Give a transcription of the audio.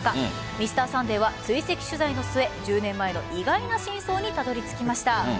「Ｍｒ．サンデー」は追跡取材の末１０年前の意外な真相にたどり着きました。